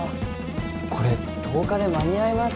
これ１０日で間に合います？